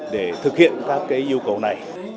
để thực hiện các yêu cầu này